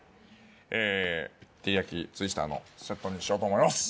ええてりやきツイスターのセットにしようと思います！